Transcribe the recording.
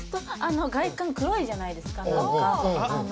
外観、黒いじゃないですか。